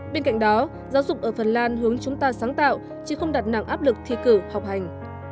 bên cạnh đó giáo dục ở phần lan hướng chúng ta sáng tạo chứ không đặt nặng áp lực thi cử học hành